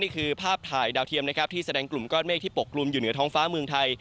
ภาพถ่ายดาวเทียมนะครับที่แสดงกลุ่มก้อนเมฆที่ปกลุ่มอยู่เหนือท้องฟ้าเมืองไทย